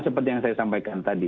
seperti yang saya sampaikan tadi